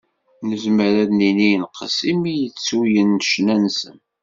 Nezmer ad d-nini yenqes imi tettuyen ccna-nsen.